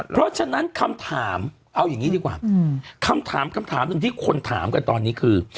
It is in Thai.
เพราะฉะนั้นคำถามเอาอย่างนี้ดีกว่าคำถามคำถามหนึ่งที่คนถามกันตอนนี้คือ